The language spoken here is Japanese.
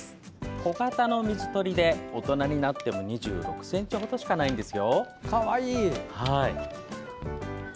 小型の水鳥で大人になっても２６ｃｍ程しかないんですよ。